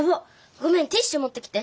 ごめんティッシュもってきて。